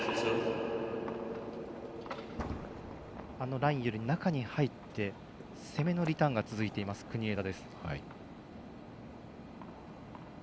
ラインより中に入って攻めのリターンが続いています、国枝。